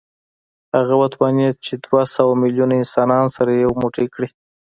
هغه وتوانېد چې دوه سوه میلیونه انسانان سره یو موټی کړي